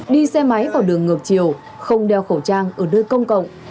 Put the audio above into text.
đi xe máy vào đường ngược chiều không đeo khẩu trang ở nơi công cộng